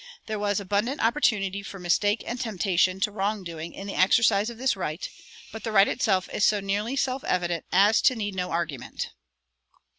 There was abundant opportunity for mistake and temptation to wrong doing in the exercise of this right, but the right itself is so nearly self evident as to need no argument.